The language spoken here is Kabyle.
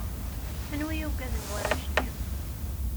Anwa i ugaden warrac-nni?